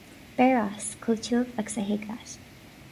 Beir as chomh tiubh agus a thig leat.